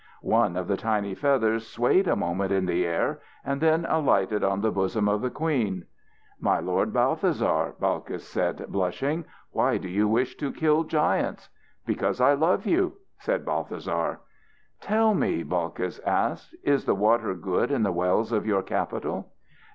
One of the tiny feathers swayed a moment in the air and then alighted on the bosom of the queen. "My lord Balthasar," Balkis said, blushing; "why do you wish to kill giants?" "Because I love you," said Balthasar. "Tell me," Balkis asked, "is the water good in the wells of your capital?"